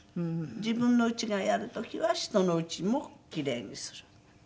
自分のうちがやる時は人のうちもキレイにする。